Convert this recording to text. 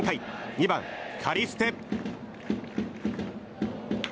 ２番、カリステ。